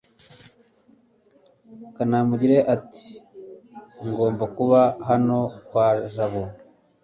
kanamugire ati ngomba kuba hano kwa jabo